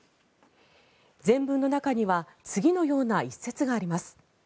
前文の中には次のような一節があります。